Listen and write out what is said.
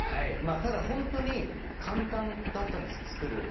ただ本当に簡単だったんです作る２品が。